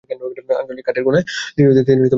খাটের এক কোণায় যিনি বসে আছেন, তিনি সম্ভবত ডাক্তার।